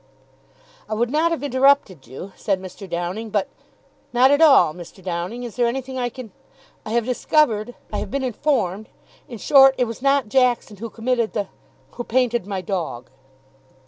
"I would not have interrupted you," said Mr. Downing, "but " "Not at all, Mr. Downing. Is there anything I can ?" "I have discovered I have been informed In short, it was not Jackson, who committed the who painted my dog."